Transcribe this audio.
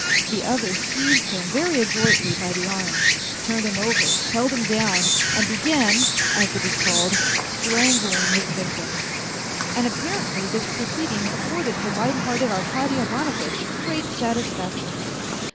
The other seized him very adroitly by the arms, turned him over, held him down, and began, as it is called, " strangling " his victim, and apparently this proceeding afforded the light hearted Arkady Ivanovitch great satisfaction.